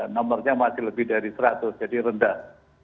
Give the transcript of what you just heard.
nomornya masih lebih dari seratus jadi rendah